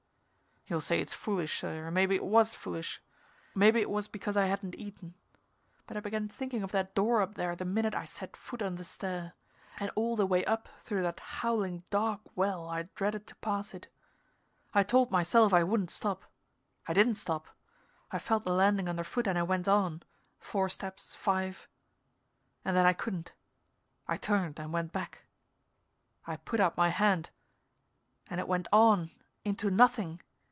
You'll say it's foolish, sir, and maybe it was foolish. Maybe it was because I hadn't eaten. But I began thinking of that door up there the minute I set foot on the stair, and all the way up through that howling dark well I dreaded to pass it. I told myself I wouldn't stop. I didn't stop. I felt the landing underfoot and I went on, four steps, five and then I couldn't. I turned and went back. I put out my hand and it went on into nothing.